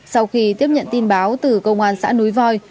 sau khi tiếp nhận tin báo từ công an xã núi voi